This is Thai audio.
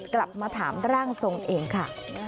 กลับมาถามร่างทรงเองค่ะ